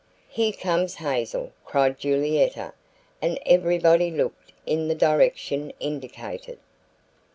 "Here comes Hazel," cried Julietta, and everybody looked in the direction indicated.